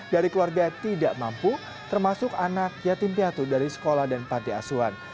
dari keluarga tidak mampu termasuk anak yatim piatu dari sekolah dan panti asuhan